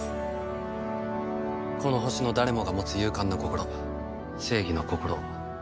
この星の誰もが持つ勇敢な心正義の心を。